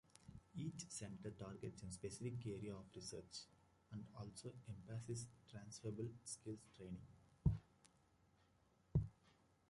Each Centre targets a specific area of research, and also emphasises transferable skills training.